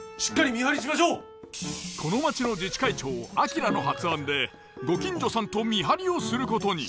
この町の自治会長明の発案でご近所さんと見張りをすることに。